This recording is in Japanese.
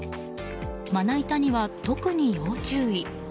まな板には特に要注意。